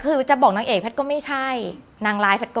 นางเอกนางร้ายนางหาคิดว่าอะไรคือแพทน้าปะพาที่สุดครับ